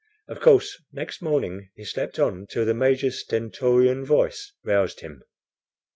Of course, next morning he slept on till the Major's stentorian voice roused him.